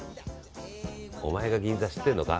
お前が銀座知ってんのか。